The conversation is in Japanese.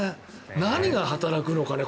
何が働くのかね